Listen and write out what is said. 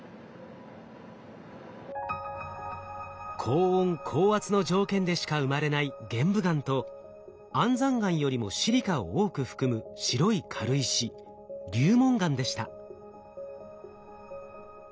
高温高圧の条件でしか生まれない玄武岩と安山岩よりもシリカを多く含む白い軽石流紋岩でした。